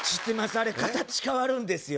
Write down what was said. あれ形変わるんですよ